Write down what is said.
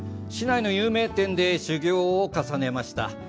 市内の有名店で修業を重ねました。